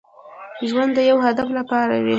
ژوند د يو هدف لپاره وي.